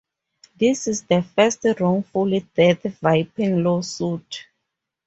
This is the first wrongful death vaping lawsuit.